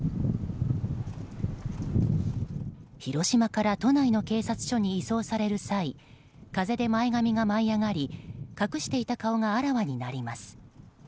広島から都内の警察署に移送される際風で前髪が舞い上がり隠していた顔があらわになります。